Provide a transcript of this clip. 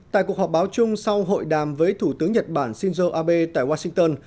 tại cuộc họp báo chung sau hội đàm với thủ tướng nhật bản shinzo abe tại washington